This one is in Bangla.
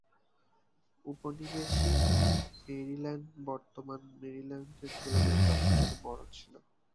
উপনিবেশিক মেরিল্যান্ড বর্তমান মেরিল্যান্ডের তুলনায় যথেষ্ট বড় ছিল।